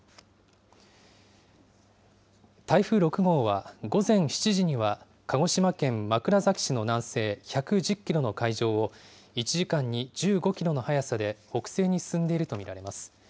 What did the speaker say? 台風６号は、午前７時には鹿児島県枕崎市の南西１１０キロの海上を、１時間に１５キロの速さで北西に進んでいると見られます。